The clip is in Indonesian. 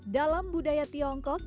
dalam budaya tiongkok